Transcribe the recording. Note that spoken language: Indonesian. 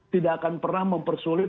tidak akan pernah mempersulit